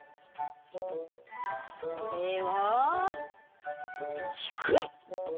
これはひくい。